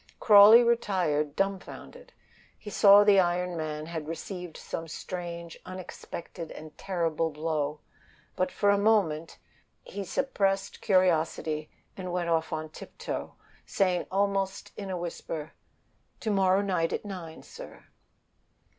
Crawley retired dumfounded. He saw the iron man had received some strange, unexpected and terrible blow; but for a moment awe suppressed curiosity, and he went off on tiptoe, saying almost in a whisper, "To morrow night at nine, sir."